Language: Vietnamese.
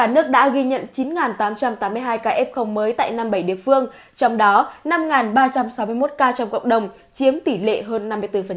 nước đã ghi nhận chín tám trăm tám mươi hai ca f mới tại năm mươi bảy địa phương trong đó năm ba trăm sáu mươi một ca trong cộng đồng chiếm tỷ lệ hơn năm mươi bốn